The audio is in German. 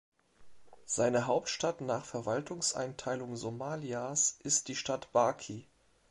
Seine Hauptstadt nach Verwaltungseinteilung Somalias ist die Stadt Baki.